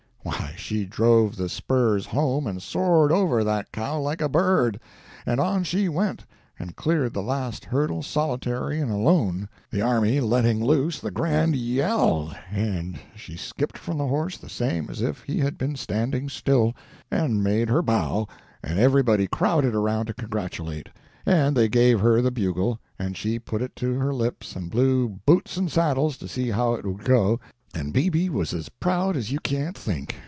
—why, she drove the spurs home and soared over that cow like a bird! and on she went, and cleared the last hurdle solitary and alone, the army letting loose the grand yell, and she skipped from the horse the same as if he had been standing still, and made her bow, and everybody crowded around to congratulate, and they gave her the bugle, and she put it to her lips and blew 'boots and saddles' to see how it would go, and BB was as proud as you can't think!